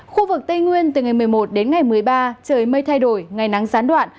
khu vực tây nguyên từ ngày một mươi một đến ngày một mươi ba trời mây thay đổi ngày nắng gián đoạn